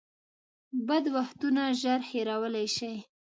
بد وختونه ژر هېرولی شئ .